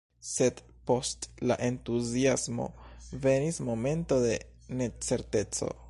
Sed, post la entuziasmo, venis momento de necerteco.